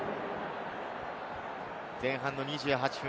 前半２８分。